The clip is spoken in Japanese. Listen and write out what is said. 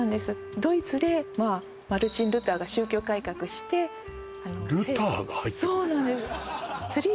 ドイツでマルティン・ルターが宗教改革してルターが入ってくんの？